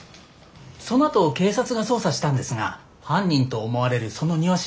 そのあと警察が捜査したんですが犯人と思われるその庭師は捕まっていません。